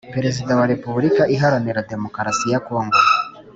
Perezida wa Repubulika iharanira demokarasi ya congo